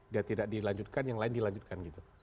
dia tidak dilanjutkan yang lain dilanjutkan gitu